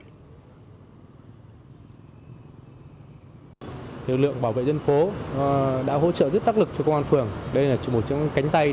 trần quý kiên lực lượng bảo vệ tổ dân phố phường dịch vọng đang làm nhiệm vụ phân làn giao thông vào giữa cao điểm